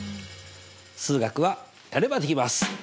数学はやればできます！